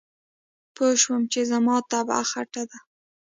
پوی شو چې زما طبعه خټه ده.